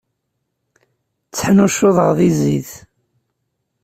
Tteḥnuccuḍeɣ di zzit.